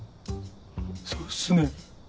そうっすね。